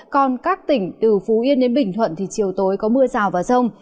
còn các tỉnh từ phú yên đến bình thuận thì chiều tối có mưa rào và rông